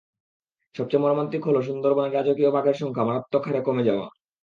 সবচেয়ে মর্মান্তিক হলো সুন্দরবনের রাজকীয় বাঘের সংখ্যা মারাত্মক হারে কমে যাওয়া।